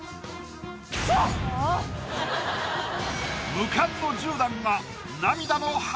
無冠の１０段。